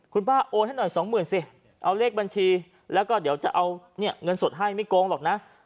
คุณป้าโอนให้หน่อยสองหมื่นสิเอาเลขบัญชีแล้วก็เดี๋ยวจะเอาเนี่ยเงินสดให้ไม่โกงหรอกนะ